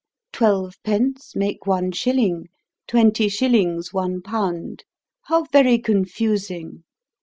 Twelve pence make one shilling; twenty shillings one pound. How very confusing!